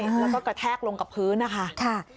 แล้วก็กระแทกลงกับพื้นนะคะ